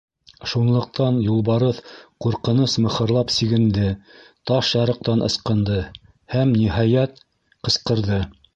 Шунлыҡтан юлбарыҫ ҡурҡыныс мыхырлап сигенде, таш ярыҡтан ысҡынды һәм, ниһайәт, ҡысҡырҙы: